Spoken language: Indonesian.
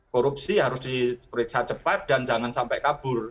korupsi harus diperiksa cepat dan jangan sampai kabur